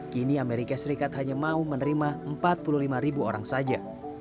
kini amerika serikat hanya mau menerima empat puluh lima ribu orang saja